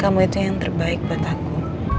kamu itu yang terbaik buat aku